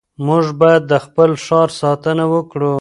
موږ باید د خپل ښار ساتنه وکړو.